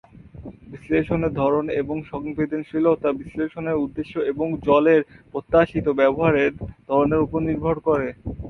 বিশ্লেষণের ধরন এবং সংবেদনশীলতা বিশ্লেষণের উদ্দেশ্য এবং জলের প্রত্যাশিত ব্যবহারের ধরনের উপর নির্ভর করে।